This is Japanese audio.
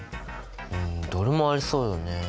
うんどれもありそうだね。